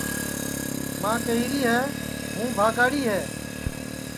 ماں کہیری ہے ہوں بھاگاڑی ہے